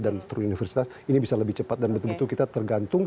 dan through universitas ini bisa lebih cepat dan betul betul kita tergantung